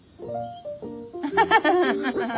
ハハハハハ。